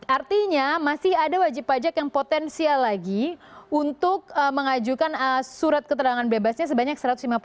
artinya masih ada wajib pajak yang potensial lagi untuk mengajukan surat keterangan bebasnya sebanyak satu ratus lima puluh